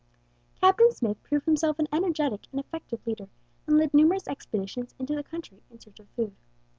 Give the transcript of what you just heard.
Captain Smith proved himself an energetic and effective leader, and led numerous expeditions into the country in search of food.